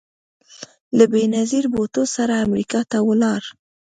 له بېنظیر بوټو سره امریکا ته ولاړ